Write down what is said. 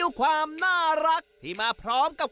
อุ๊ยไม่อยากเหมือนกัน